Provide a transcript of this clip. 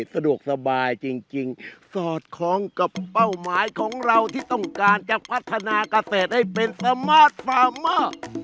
สะดวกสบายจริงสอดคล้องกับเป้าหมายของเราที่ต้องการจะพัฒนาเกษตรให้เป็นสมาร์ทฟาร์มเมอร์